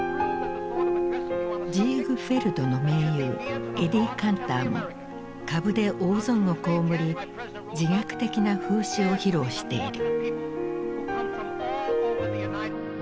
ジーグフェルドの盟友エディ・カンターも株で大損をこうむり自虐的な風刺を披露している。